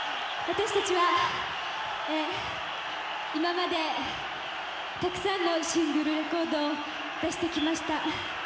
私たちは今までたくさんのシングルレコードを出してきました。